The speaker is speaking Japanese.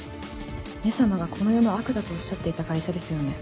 「め様」がこの世の悪だとおっしゃっていた会社ですよね？